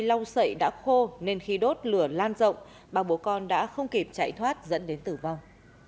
lau sậy đã khô nên khi đốt lửa lan rộng ba bố con đã không kịp chạy thoát dẫn đến tử vong